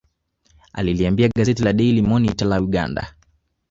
Aliliambia gazeti Daily Monitor la Uganda